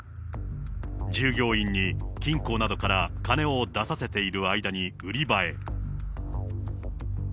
従業員に金庫などから金を出させている間に売り場へ。